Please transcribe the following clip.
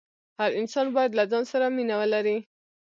هر انسان باید له ځان سره مینه ولري.